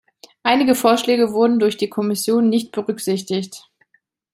Einige Vorschläge wurden durch die Kommission nicht berücksichtigt.